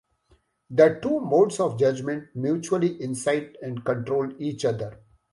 The two modes of judgment mutually incite and control each other.